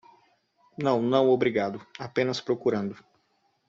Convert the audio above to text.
Não? não, obrigado? apenas procurando.